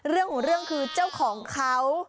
เรื่องของเรื่องคือเจ้าของเขา